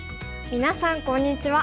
みなさんこんにちは。